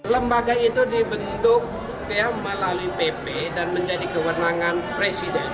lembaga itu dibentuk melalui pp dan menjadi kewenangan presiden